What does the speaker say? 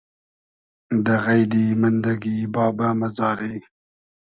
دۂ غݷدی مئندئگی بابۂ مئزاری